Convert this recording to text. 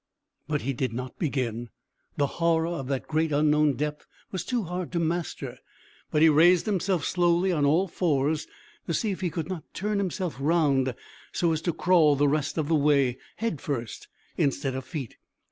But he did not begin. The horror of that great unknown depth was too hard to master; but he raised himself slowly on all fours to see if he could not turn himself round so as to crawl the rest of the way head first instead of feet.